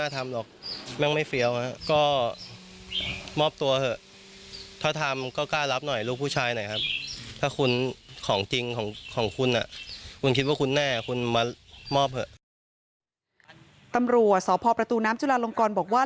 ตำรวจสพประตูน้ำจุลาลงกรบอกว่า